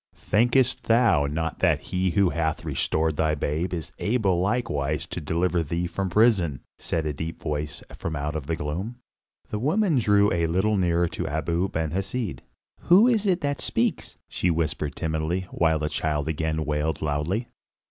"Thinkest thou not that he who hath restored thy babe is able likewise to deliver thee from prison?" said a deep voice from out the gloom. The woman drew a little nearer to Abu Ben Hesed. "Who is it that speaks?" she whispered timidly, while the child again wailed loudly.